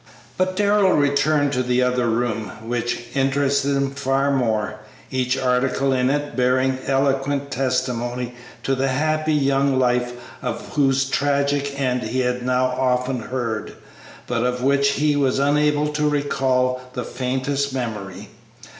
But Darrell returned to the other room, which interested him far more, each article in it bearing eloquent testimony to the happy young life of whose tragic end he had now often heard, but of which he was unable to recall the faintest memory.